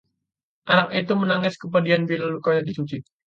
anak itu menangis kepedihan bila lukanya dicuci